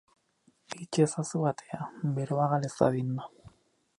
Itxi ezazu atea, beroa gal ez dadin.